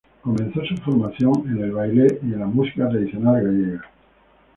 Comenzó su formación en el baile y en la música tradicional gallega.